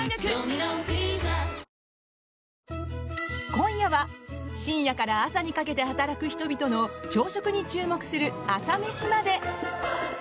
今夜は深夜から朝にかけて働く人々の朝食に注目する「朝メシまで。」。